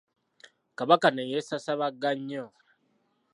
Kabaka ne yeesaasaabaga nnyo.